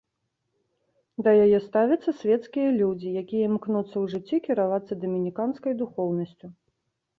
Да яе ставяцца свецкія людзі, якія імкнуцца ў жыцці кіравацца дамініканскай духоўнасцю.